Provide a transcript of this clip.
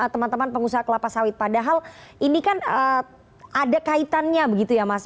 teman teman pengusaha kelapa sawit padahal ini kan ada kaitannya begitu ya mas